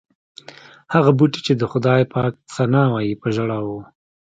هغه بوټي چې د خدای پاک ثنا وایي په ژړا و.